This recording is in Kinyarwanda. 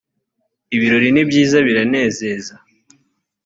ibirori nibyiza biranezeza.